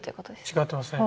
違ってますね。